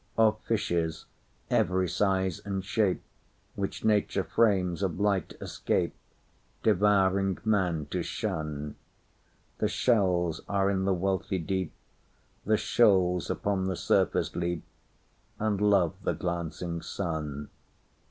Of fishes—every size and shape, Which nature frames of light escape, Devouring man to shun:The shells are in the wealthy deep, The shoals upon the surface leap, And love the glancing sun.